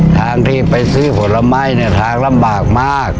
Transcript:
ทางที่ไปซื้อผลไม้เนี่ยทางลำบากมาก